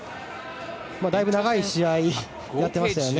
だいぶ長い試合やってましたよね。